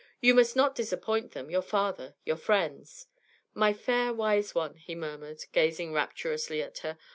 'You must not disappoint them, your father, your friends.' 'My fair wise one!' he murmured, gazing rapturously at her.